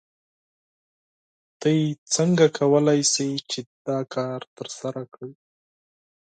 تاسو څنګه کولی شئ چې دا کار ترسره کړئ؟